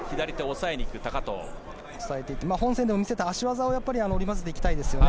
抑えていって本戦でも見せた足技を織り交ぜていきたいですよね。